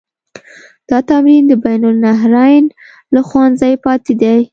دا تمرین د بین النهرین له ښوونځي پاتې دی.